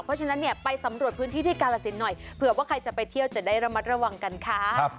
เพราะฉะนั้นเนี่ยไปสำรวจพื้นที่ที่กาลสินหน่อยเผื่อว่าใครจะไปเที่ยวจะได้ระมัดระวังกันค่ะ